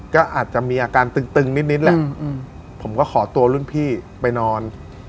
ก็อาจจะมีอาการตึงนิดแหละผมก็ขอตัวรุ่นพี่ไปนอน